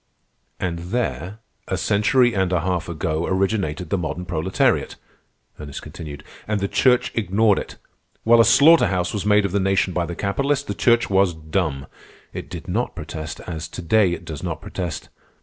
"And there, a century and a half ago, originated the modern proletariat," Ernest continued. "And the Church ignored it. While a slaughter house was made of the nation by the capitalist, the Church was dumb. It did not protest, as to day it does not protest.